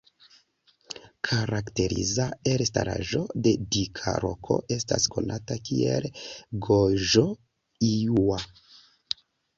Karakteriza elstaraĵo de dika roko estas konata kiel "Goĵo-iŭa"